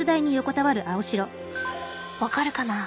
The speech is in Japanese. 分かるかな？